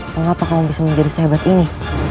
kenapa kamu bisa menjadi sehebat ini